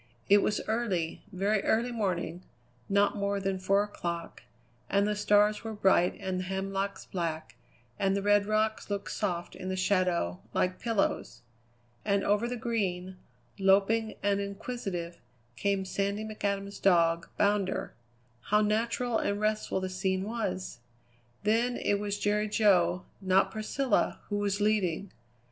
It was early, very early morning, not more than four o'clock, and the stars were bright and the hemlocks black, and the red rocks looked soft in the shadows, like pillows. And over the Green, loping and inquisitive, came Sandy McAdam's dog, Bounder. How natural and restful the scene was! Then it was Jerry Jo, not Priscilla, who was leading.